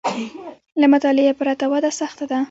له مطالعې پرته وده سخته ده